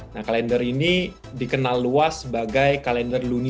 nah kalender ini dikenal luas sebagai kalender luni